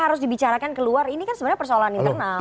kalau dibicarakan ke luar ini kan sebenarnya persoalan internal